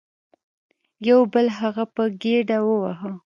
یو بل هغه په ګیډه وواهه.